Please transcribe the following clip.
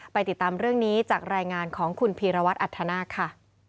ติดตามเรื่องนี้จากรายงานของคุณพีรวัตรอัธนาคค่ะ